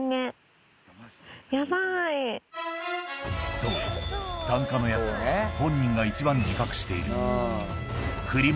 そう単価の安さは本人が一番自覚しているフリマ